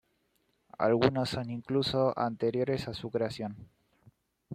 Algunos son incluso anteriores a su creación.